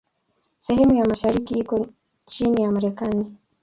Sehemu ya mashariki iko chini ya Marekani.